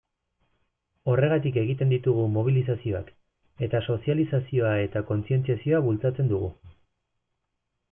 Horregatik egiten ditugu mobilizazioak, eta sozializazioa eta kontzientziazioa bultzatzen dugu.